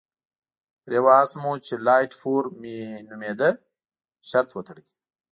پر یوه اس مو چې لایټ فور مي نومېده شرط وتاړه.